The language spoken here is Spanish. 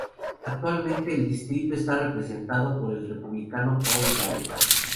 Actualmente el distrito está representado por el Republicano Paul Ryan.